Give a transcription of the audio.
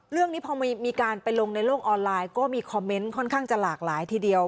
เรื่องนี้พอมีการไปลงในโลกออนไลน์ก็มีคอมเมนต์ค่อนข้างจะหลากหลายทีเดียว